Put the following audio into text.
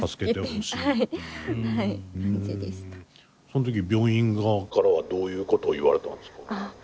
その時病院側からはどういうことを言われたんですか？